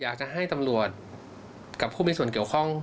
อยากจะให้ตำรวจกับผู้มีส่วนเกี่ยวข้อง